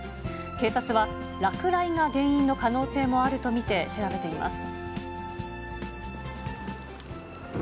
警察は落雷が原因の可能性もあると見て、調べています。